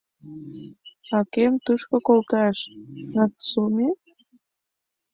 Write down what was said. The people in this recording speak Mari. А кӧм тушко колташ, Нацуме?